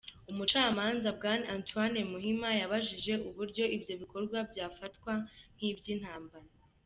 Umucamanza Bwana Antoine Muhima yabajije uburyo ibyo bikorwa byafatwa nk’iby’intambara.